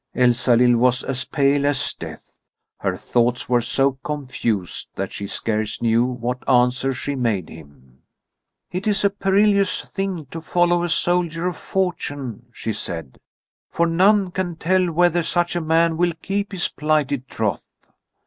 Elsalill was as pale as death. Her thoughts were so confused that she scarce knew what answer she made him. "It is a perilous thing to follow a soldier of fortune," she said. "For none can tell whether such a man will keep his plighted troth."